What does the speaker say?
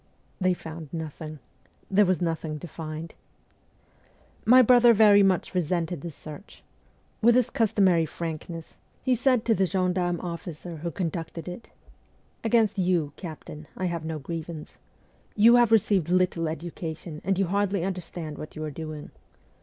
They found nothing there was nothing to find. My brother very much resented this search. With his customarjr frankness, he said to the gendarme 156 MEMOIRS OF A REVOLUTIONIST officer who conducted it :' Against you, captain, I have no grievance. You have received little education, and you hardly understand what you are doing.